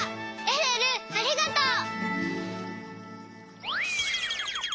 えるえるありがとう。